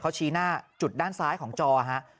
เขาชี้หน้าจุดด้านซ้ายของจอฮะ